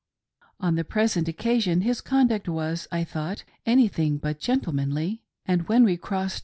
On the present occasion his conduct was, I thought, anything but gentlemanly ; and when we crossed